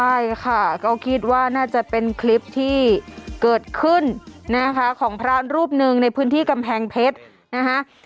ใช่ค่ะก็คิดว่าน่าจะเป็นคลิปที่เกิดขึ้นนะคะของพระรูปหนึ่งในพื้นที่กำแพงเพชรนะคะ